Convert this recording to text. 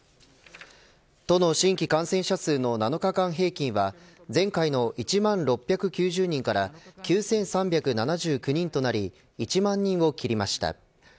都の新規感染者数の７日間平均は前回の１万６９０人から９３７９人となり１万人を切りました。